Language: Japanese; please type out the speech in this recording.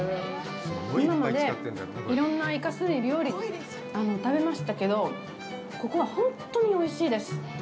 今まで、いろんなイカ墨料理食べましたけど、ここは本当においしいです。